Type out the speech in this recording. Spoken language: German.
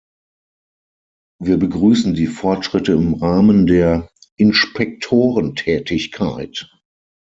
Wir begrüßen die Fortschritte im Rahmen der Inspektorentätigkeit.